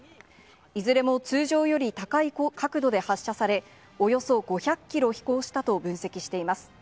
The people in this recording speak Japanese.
いずれも通常より高い角度で発射され、およそ５００キロ飛行したと分析しています。